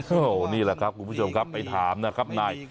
โอ้โหนี่แหละครับคุณผู้ชมครับไปถามนะครับนาย